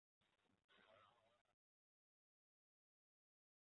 祖纳地崎为一位于八重山群岛与那国岛祖纳北方的荒岛。